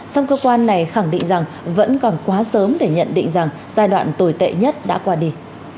song cơ quan này khẳng định rằng vẫn còn quá sớm để nhận định rằng giai đoạn tồi tệ nhất đã qua đi